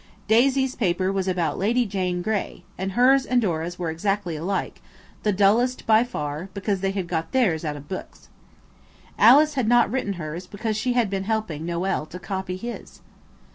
Daisy's paper was about Lady Jane Grey, and hers and Dora's were exactly alike, the dullest by far, because they had got theirs out of books. Alice had not written hers because she had been helping Noël to copy his.